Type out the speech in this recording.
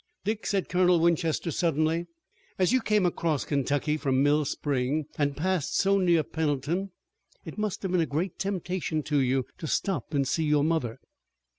"Dick," said Colonel Winchester suddenly, "as you came across Kentucky from Mill Spring, and passed so near Pendleton it must have been a great temptation to you to stop and see your mother."